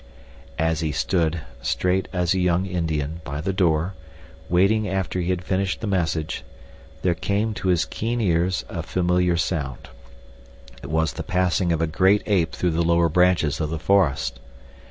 As he stood, straight as a young Indian, by the door, waiting after he had finished the message, there came to his keen ears a familiar sound. It was the passing of a great ape through the lower branches of the forest.